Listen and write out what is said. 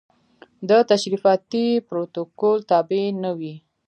د تشریفاتي پروتوکول تابع نه وي.